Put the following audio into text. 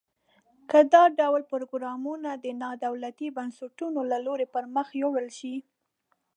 که دا ډول پروګرامونه د نا دولتي بنسټونو له لوري پرمخ یوړل شي.